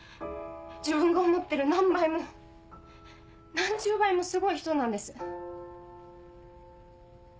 自分が思ってる何倍も何十倍もすごい人なんです。